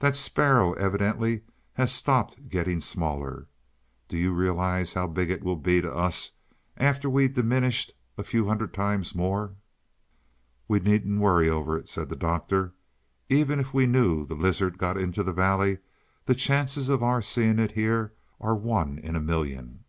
"That sparrow evidently has stopped getting smaller. Do you realize how big it will be to us, after we've diminished a few hundred more times?" "We needn't worry over it," said the Doctor. "Even if we knew the lizard got into the valley the chances of our seeing it here are one in a million.